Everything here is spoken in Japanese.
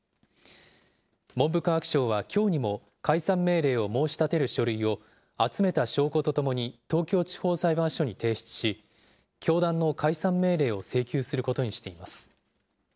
文部科学省は、きょうにも解散命令を申し立てる書類を集めた証拠とともに東京地方裁判所に提出し、教団の解散命令を請求することにしています。